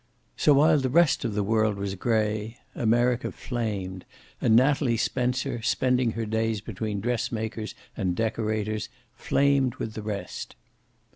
So, while the rest of the world was gray, America flamed, and Natalie Spencer, spending her days between dressmakers and decorators, flamed with the rest.